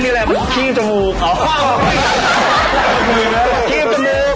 มีความเชื่อสีแบบนั้นไง